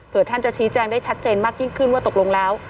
เพื่อท่านจะชี้แจงได้ชัดเจนมากยิ่งขึ้นว่าตกลงแล้ว